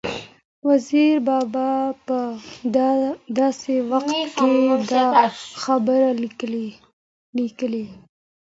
وزیر بابا په داسې وخت کې دا خبرې لیکلي